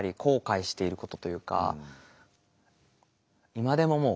今でももう